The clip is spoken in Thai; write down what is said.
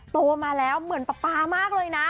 โตมาแล้วเหมือนป๊าป๊ามากเลยนะ